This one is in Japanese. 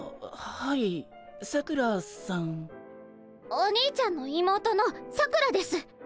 お兄ちゃんの妹のさくらです。